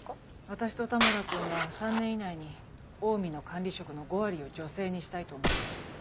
私と田村君は３年以内にオウミの管理職の５割を女性にしたいと思ってる。